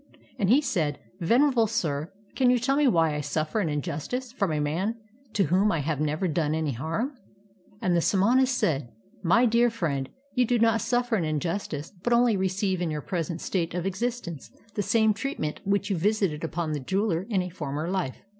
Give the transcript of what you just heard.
And he said: '' Venerable sir, can you tell me why I suffer an injustice from a man to whom I have never done any harm?" And the samana said: "My dear friend, you do not suffer an injustice, but only receive in your present state of existence the same treatment which you \'isited upon the jeweler in a former hfe.